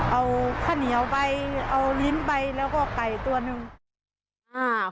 เอาข้าวเหนียวไปเอาลิ้นไปแล้วก็ไก่ตัวหนึ่งอ่า